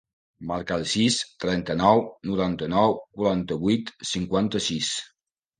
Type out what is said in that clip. Marca el sis, trenta-nou, noranta-nou, quaranta-vuit, cinquanta-sis.